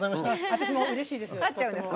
私もうれしいです。